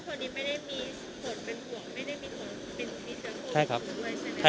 ไม่ได้มีใช่ครับใช่ครับไม่มีครับแล้วนอกจากพนักงานแล้วเนี้ย